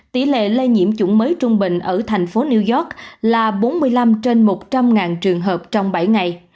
tỷ lệ lây nhiễm chủng mới trung bình ở thành phố new york là bốn mươi năm trên một trăm linh trường hợp trong bảy ngày